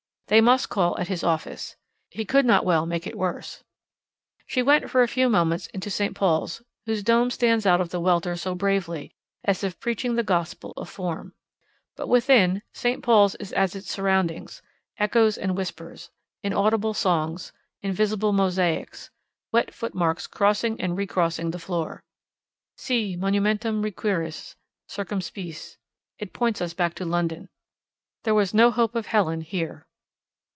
They must call at his office. He could not well make it worse. She went for a few moments into St. Paul's, whose dome stands out of the welter so bravely, as if preaching the gospel of form. But within, St. Paul's is as its surroundings echoes and whispers, inaudible songs, invisible mosaics, wet footmarks crossing and recrossing the floor. Si monumentum requiris, circumspice: it points us back to London. There was no hope of Helen here.